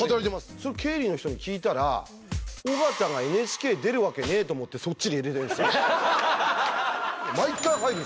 それ経理の人に聞いたら、尾形がＮＨＫに出るわけねえと思ってそっち入れてるんですよ。